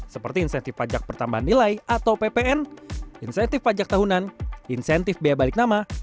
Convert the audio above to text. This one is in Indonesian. seperti insentif pajak pertambahan nilai atau ppn insentif pajak tahunan insentif biaya balik nama